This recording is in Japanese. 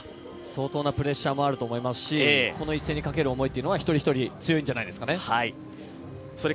相当なプレッシャーもあると思いますし、この一戦にかける思いというのは１人１人強いんじゃないですかね。